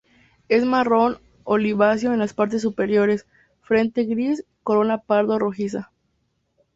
Es marrón oliváceo en las partes superiores, frente gris, corona pardo rojiza.